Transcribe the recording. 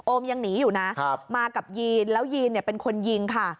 ยังหนีอยู่นะมากับยีนแล้วยีนเป็นคนยิงค่ะ